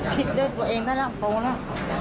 คิดด้วยตัวเองได้แล้วเพราะว่า